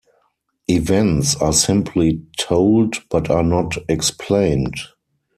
Events are simply told but are not explained.